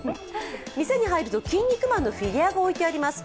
店に入るとキン肉マンのフィギュアが置いてあります。